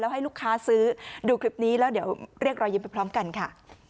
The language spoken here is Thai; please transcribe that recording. ให้ลูกค้าซื้อดูคลิปนี้แล้วเดี๋ยวเรียกรอยยิ้มไปพร้อมกันค่ะ